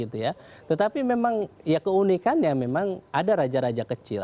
tetapi memang ya keunikannya memang ada raja raja kecil